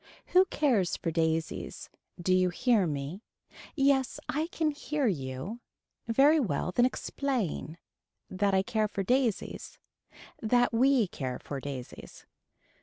Who cares for daisies. Do you hear me. Yes I can hear you. Very well then explain. That I care for daisies. That we care for daisies.